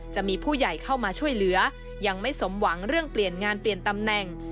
จะมีผู้ใหญ่เข้ามาช่วยเหลือยังไม่สมหวังเรื่องเปลี่ยนงานเปลี่ยนตำแหน่ง